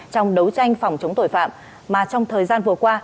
trong đấu tranh phòng chống tội phạm mà trong thời gian vừa qua